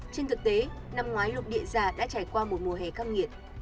trên thực tế năm ngoái lục địa già đã trải qua một mùa hè khắc nghiệt